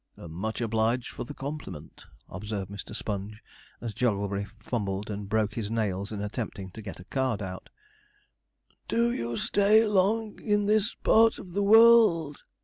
'Much obliged for the compliment,' observed Mr. Sponge, as Jogglebury fumbled and broke his nails in attempting to get a card out. 'Do you stay long in this part of the world?'